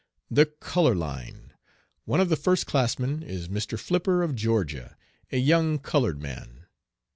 "The Color Line. One of the first classmen is Mr. Flipper, of Georgia, a young colored man.